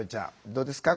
どうですか？